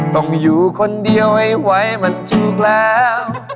ต้องอยู่คนเดียวให้ไหวมันจริงแล้ว